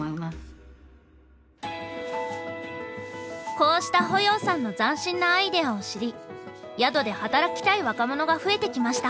こうした保要さんの斬新なアイデアを知り宿で働きたい若者が増えてきました。